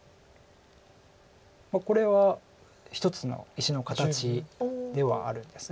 これは一つの石の形ではあるんですが。